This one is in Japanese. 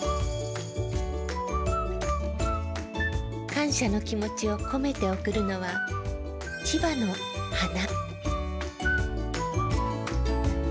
感謝の気持ちを込めて贈るのは千葉の花。